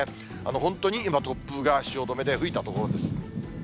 本当に今、突風が汐留で吹いたところです。